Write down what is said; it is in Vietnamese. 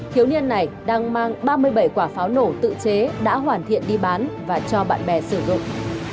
thiếu niên này đang mang ba mươi bảy quả pháo nổ tự chế đã hoàn thiện đi bán và cho bạn bè sử dụng